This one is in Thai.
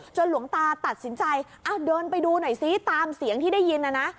หลวงตาตัดสินใจเดินไปดูหน่อยซิตามเสียงที่ได้ยินนะนะ